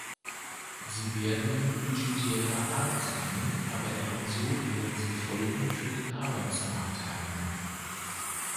Sie werden budgetärer Art sein, aber ebenso werden sie Folgen für den Arbeitsmarkt haben.